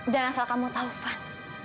dan asal kamu tahu tofan